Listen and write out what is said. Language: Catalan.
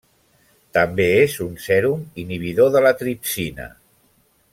També és un sèrum inhibidor de la tripsina.